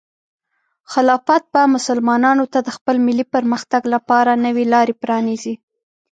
خلافت به مسلمانانو ته د خپل ملي پرمختګ لپاره نوې لارې پرانیزي.